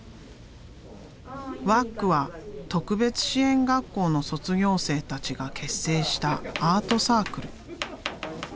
ｗａＣは特別支援学校の卒業生たちが結成したアートサークル。